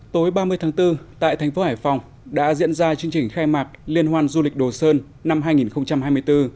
tối ba mươi tháng bốn tại thành phố hải phòng đã diễn ra chương trình khai mạc liên hoan du lịch đồ sơn năm hai nghìn hai mươi bốn